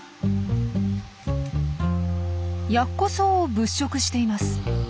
ヤッコソウを物色しています。